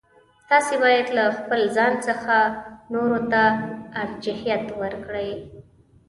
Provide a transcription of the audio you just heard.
تاسو باید له خپل ځان څخه نورو ته ارجحیت ورکړئ.